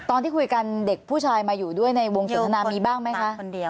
ตอนที่คุยกันเด็กผู้ชายมาอยู่ด้วยในวงสนทนามีบ้างไหมคะ